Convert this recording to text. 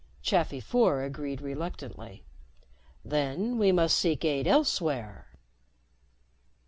Chafi Four agreed reluctantly. "Then we must seek aid elsewhere."